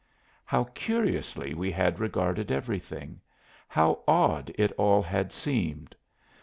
How curiously we had regarded everything! how odd it all had seemed!